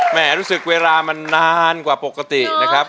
รู้สึกเวลามันนานกว่าปกตินะครับ